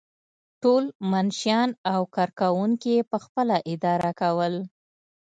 ټول منشیان او کارکوونکي یې پخپله اداره کول.